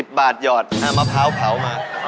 ผมก็๒๐บาทหยอดมาเผามา